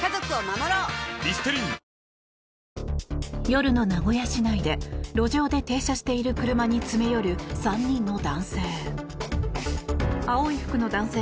夜の名古屋市内で路上で停車している車に詰め寄る３人の男性。